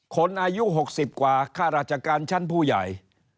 คนอายุ๖๐กว่าค่าราชการชั้นผู้ใหญ่